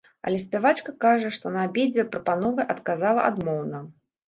Але спявачка кажа, што на абедзве прапановы адказала адмоўна.